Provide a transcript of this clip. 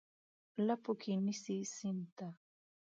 لپو کې نیسي سیند ته،